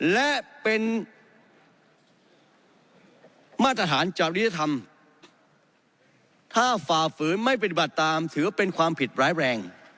และเป็นมาตรฐานจริยธรรมถ้าฝ่าฝืนไม่ปฏิบัติตามถือเป็นความผิดร้ายแรง